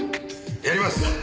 やります！